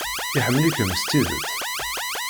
Iḥemmel-ikem s tidet.